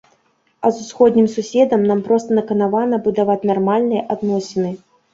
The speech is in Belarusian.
А з усходнім суседам нам проста наканавана будаваць нармальныя адносіны.